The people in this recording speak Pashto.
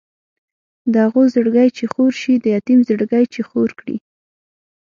د هغو زړګی چې خور شي د یتیم زړګی چې خور کړي.